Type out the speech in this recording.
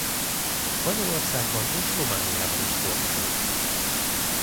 Spanyolországban és Romániában is forgatott.